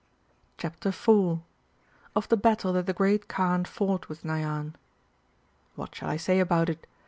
CHAPTER IV. Of the Battle that the Great Kaan fought wiih Nayan. What shall I say about it